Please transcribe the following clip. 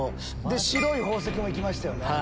白い宝石も行きましたよね。